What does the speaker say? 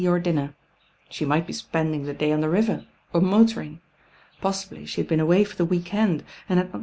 '"•*"""• She might be spend" mg the day on the river, or motoring. Possibly she had been away for the weekend, and had not re!